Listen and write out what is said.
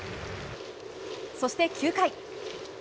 そして９回。